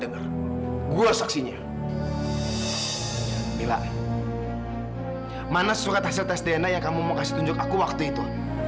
terima kasih surat hasil tes dna yang kamu mau kasih tunjuk aku waktu itu